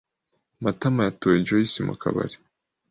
Matama yatoye Joyci mu kabari.